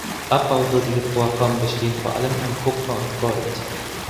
Abbauwürdige Vorkommen bestehen vor allem von Kupfer und Gold.